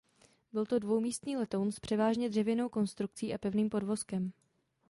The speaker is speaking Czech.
Byl to dvoumístný letoun s převážně dřevěnou konstrukcí a pevným podvozkem.